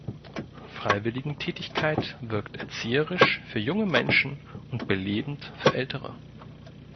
Freiwilligentätigkeit wirkt erzieherisch für junge Menschen und belebend für Ältere.